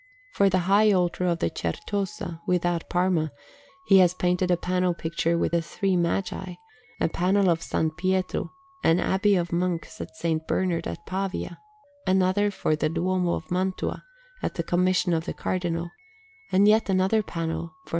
For the high altar of the Certosa, without Parma, he has painted a panel picture with the three Magi; a panel for S. Piero, an abbey of Monks of S. Bernard, at Pavia; another for the Duomo of Mantua, at the commission of the Cardinal; and yet another panel for S.